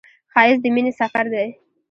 ښایست د مینې سفر دی